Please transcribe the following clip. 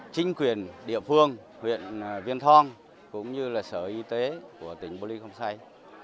chính quyền địa phương huyện viên thong cũng như là sở y tế của tỉnh bồ lý không say